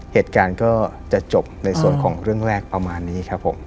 เหตุการณ์ก็จะจบในส่วนของเรื่องแรกประมาณนี้ครับผม